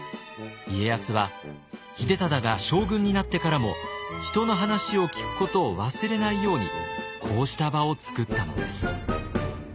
家康は秀忠が将軍になってからも人の話を聞くことを忘れないようにこうした場を作ったのです。